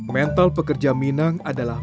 mental pekerja minang adalah